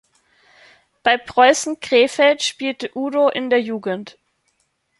Bei Preussen Krefeld spielte Udo in der Jugend.